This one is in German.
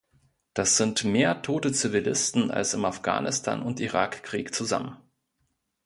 Das sind mehr tote Zivilisten als im Afghanistan- und Irak-Krieg zusammen.